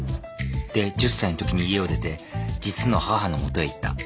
で１０歳のときに家を出て実の母の元へ行った。